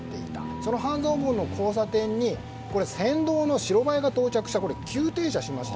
その半蔵門の交差点に先導の白バイが到着して急停車しました。